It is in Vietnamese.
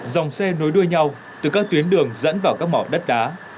dòng xe nối đuôi nhau từ các tuyến đường dẫn vào các mỏ đất đá